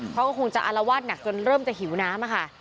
เขาก็คงจะอารวาสหนักจนเริ่มจะหิวน้ำค่ะ